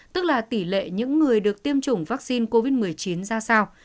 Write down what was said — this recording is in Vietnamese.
tức là tỷ lệ những người được tiêm chủng vaccine covid một mươi chín ra sao